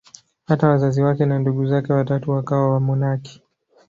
Hata wazazi wake na ndugu zake watatu wakawa wamonaki.